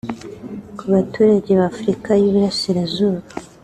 Ku baturage ba Afurika y’Uburasirazuba